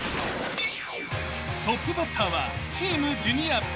［トップバッターはチームジュニア］